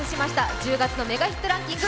１０月のメガヒットランキング